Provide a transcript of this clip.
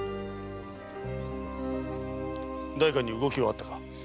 代官に動きはあったか？